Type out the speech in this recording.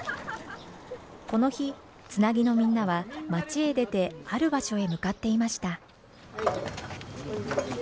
この日つなぎのみんなは町へ出てある場所へ向かっていました。